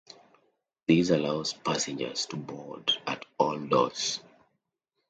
This allows passengers to board at all doors.